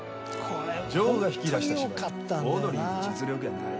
ジョーが引き出した芝居やオードリーの実力やない。